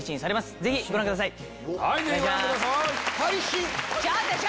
ぜひご覧ください。